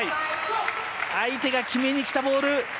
相手が決めにきたボール